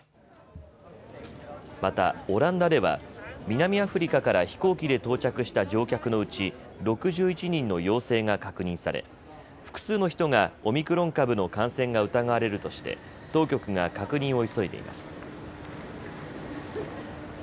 また、オランダでは南アフリカから飛行機で到着した乗客のうち６１人の陽性が確認され複数の人がオミクロン株の感染が疑われるとして当局が確認を急いでいます。